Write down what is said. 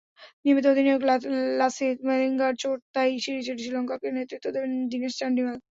নিয়মিত অধিনায়ক লাসিথ মালিঙ্গার চোট, তাই সিরিজে শ্রীলঙ্কাকে নেতৃত্ব দেবেন দিনেশ চান্ডিমাল।